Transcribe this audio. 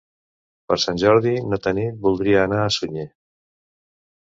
Per Sant Jordi na Tanit voldria anar a Sunyer.